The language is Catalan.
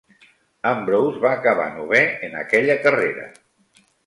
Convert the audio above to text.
Ambrose va acabar novè en aquella carrera.